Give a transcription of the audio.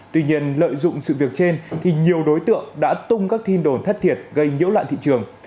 tuy nhiên lợi dụng sự việc trên thì nhiều đối tượng đã tung các tin đồn thất thiệt gây nhiễu loạn thị trường